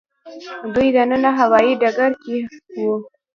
دوی دننه هوايي ډګر کې وو.